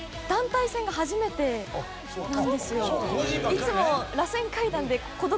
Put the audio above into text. いつも。